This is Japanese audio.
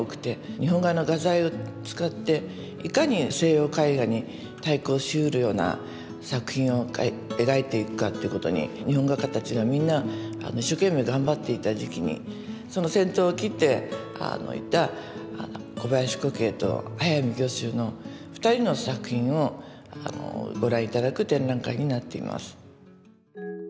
日本画の画材を使っていかに西洋絵画に対抗しうるような作品を描いていくかっていうことに日本画家たちがみんな一生懸命頑張っていた時期にその先頭を切っていた小林古径と速水御舟の二人の作品をご覧頂く展覧会になっています。